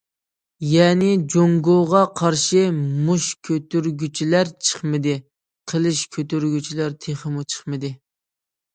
يەنى جۇڭگوغا قارشى‹‹ مۇش كۆتۈرگۈچىلەر›› چىقمىدى،‹‹ قىلىچ كۆتۈرگۈچىلەر تېخىمۇ چىقمىدى››.